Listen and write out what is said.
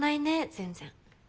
全然。